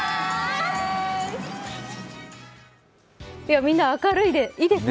みんな明るくていいですね。